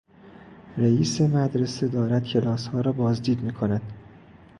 رییس مدرسه دارد کلاسها را بازدید میکند.